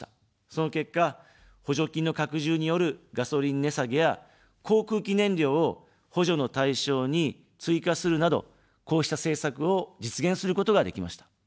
その結果、補助金の拡充によるガソリン値下げや航空機燃料を補助の対象に追加するなど、こうした政策を実現することができました。